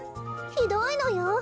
ひどいのよ。